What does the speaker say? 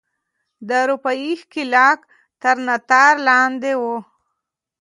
د اروپايي ښکېلاک تر ناتار لاندې وو.